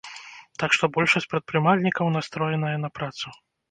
Так што большасць прадпрымальнікаў настроеная на працу.